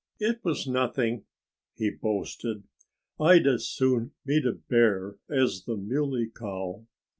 "It was nothing," he boasted. "I'd as soon meet a bear as the Muley Cow."